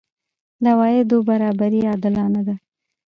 د عوایدو برابري عادلانه ده؟